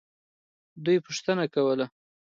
دوی پوښتنه کوله.